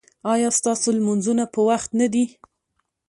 ایا ستاسو لمونځونه په وخت نه دي؟